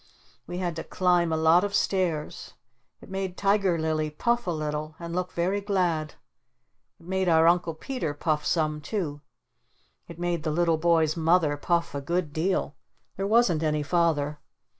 We had to climb a lot of stairs. It made Tiger Lily puff a little and look very glad. It made our Uncle Peter puff some too. It made the little boy's Mother puff a good deal. There wasn't any Father.